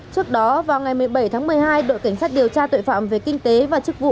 trước đó vào ngày một mươi bảy tháng một mươi hai đội cảnh sát điều tra tội phạm về kinh tế và chức vụ